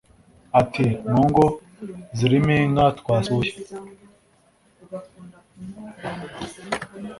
Ati″Mu ngo zirimo inka twasuye